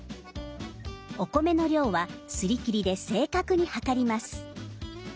お米の量はすりきりで正確に量ります。